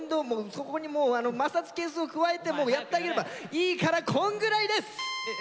そこに摩擦係数を加えてやってあげればいいからこんぐらいです！